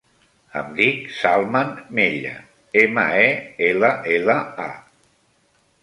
Em dic Salman Mella: ema, e, ela, ela, a.